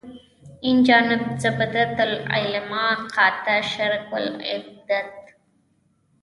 اینجانب زبدة العلما قاطع شرک و البدعت.